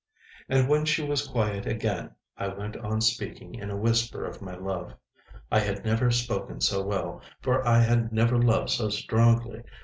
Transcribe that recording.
And when she was quiet again I went on speaking in a whisper of my love. I had never spoken so well, for I had never loved so strongly.